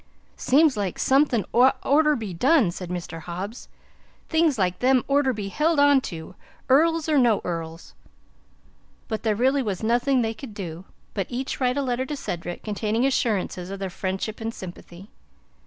"Seems like somethin' orter be done," said Mr. Hobbs. "Things like them orter be held on to earls or no earls." But there really was nothing they could do but each write a letter to Cedric, containing assurances of their friendship and sympathy.